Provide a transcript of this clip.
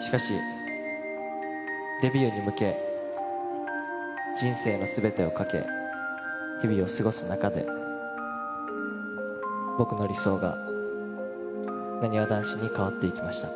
しかし、デビューに向け、人生のすべてをかけ、日々を過ごす中で、僕の理想がなにわ男子に変わっていきました。